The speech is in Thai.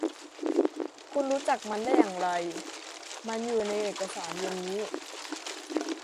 คุณรู้จักมันได้อย่างไร มันอยู่ในเอกสารเย็นนี้